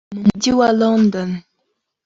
mu mujyi wa london